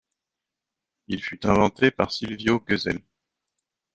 Il fut inventé par Silvio Gesell.